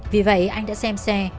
vì vậy anh đã xem xe